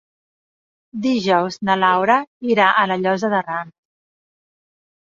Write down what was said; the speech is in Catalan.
Dijous na Laura irà a la Llosa de Ranes.